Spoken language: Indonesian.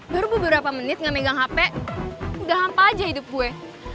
baru beberapa menit gak megang hp udah hampa aja hidup gue